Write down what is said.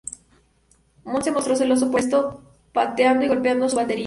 Moon se mostró celoso por esto, pateando y golpeando su batería.